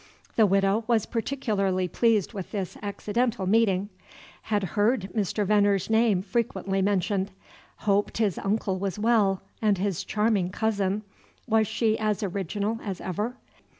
The Widow was particularly pleased with this accidental meeting. Had heard Mr. Venner's name frequently mentioned. Hoped his uncle was well, and his charming cousin, was she as original as ever?